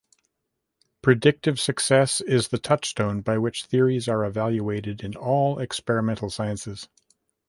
Predictive success is the touchstone by which theories are evaluated in all experimental sciences.